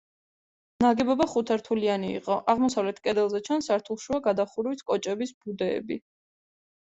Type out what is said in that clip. ნაგებობა ხუთსართულიანი იყო, აღმოსავლეთ კედელზე ჩანს სართულშუა გადახურვის კოჭების ბუდეები.